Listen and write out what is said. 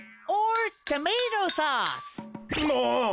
もう！